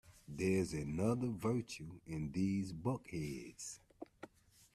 There is another virtue in these bulkheads.